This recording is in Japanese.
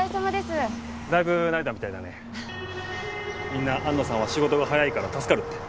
みんな安野さんは仕事が早いから助かるって。